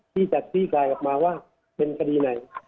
ที่จะคลี่คลายออกมาว่าเป็นคดีไหน